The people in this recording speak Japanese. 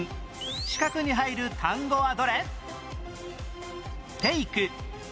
四角に入る単語はどれ？